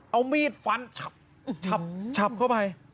เอามีดฟันฉับเข้าไป